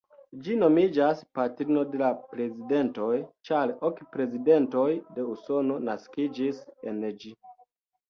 Ĝi nomiĝas "patrino de la prezidentoj", ĉar ok prezidentoj de Usono naskiĝis en ĝi.